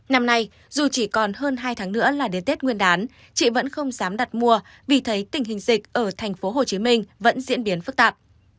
năm nay dù chỉ còn hơn hai tháng nữa là đến tết nguyên đán chị vẫn không dám đặt mua vì thấy tình hình dịch ở tp hcm vẫn diễn biến phức tạp